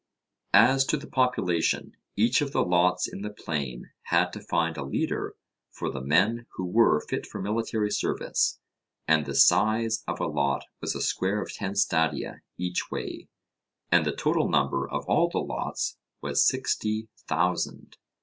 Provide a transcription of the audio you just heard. As to the population, each of the lots in the plain had to find a leader for the men who were fit for military service, and the size of a lot was a square of ten stadia each way, and the total number of all the lots was sixty thousand.